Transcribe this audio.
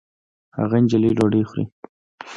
هغه نجلۍ ډوډۍ خوري